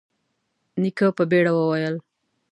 نيکه په بيړه وويل: